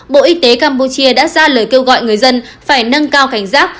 bộ y tế campuchia đã ra lời kêu gọi người dân phải nâng cao cảnh giác